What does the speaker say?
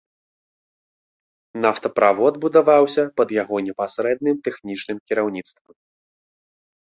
Нафтаправод будаваўся пад яго непасрэдным тэхнічным кіраўніцтвам.